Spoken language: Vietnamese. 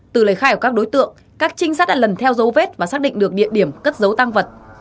từ lời khai của các đối tượng các trinh sát đã lần theo dấu vết và xác định được địa điểm cất giấu tăng vật